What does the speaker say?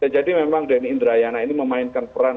jadi memang denny indrayana ini memainkan peran